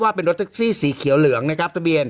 ว่าเป็นรถแคสซี่สีเขียวเหลืองนะครับ